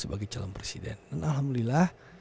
sebagai calon presiden dan alhamdulillah